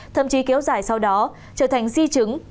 thậm chí kéo dài sau đó trở thành di chứng